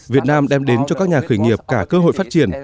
việt nam đem đến cho các nhà khởi nghiệp cả cơ hội phát triển